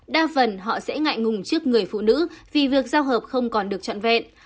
đa phần họ sẽ ngại ngùng trước người phụ nữ vì việc giao hợp không còn được trọn vẹn